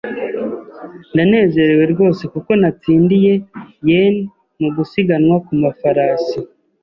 Ndanezerewe rwose kuko natsindiye , yen mu gusiganwa ku mafarasi.